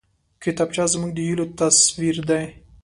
کتابچه زموږ د هيلو تصویر دی